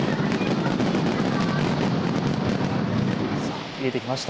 さあ見えてきました